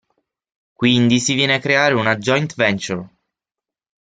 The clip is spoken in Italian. Quindi si viene a creare una joint-venture.